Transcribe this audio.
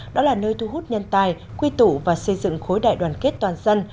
đó là nơi thu hút nhân tài quy tụ và xây dựng khối đại đoàn kết toàn dân